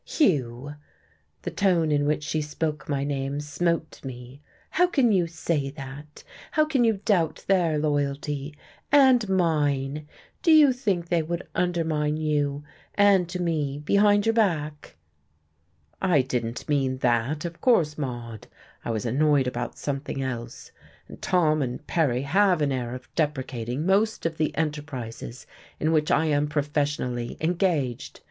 "Hugh!" The tone in which she spoke my name smote me. "How can you say that? How can you doubt their loyalty, and mine? Do you think they would undermine you, and to me, behind your back?" "I didn't mean that, of course, Maude. I was annoyed about something else. And Tom and Perry have an air of deprecating most of the enterprises in which I am professionally engaged.